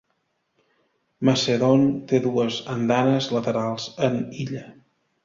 Macedon té dues andanes laterals en illa.